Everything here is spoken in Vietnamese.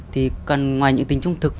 thì còn ngoài những tính trung thực